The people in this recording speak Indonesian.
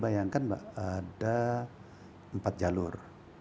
bayangkan mbak ada empat jalur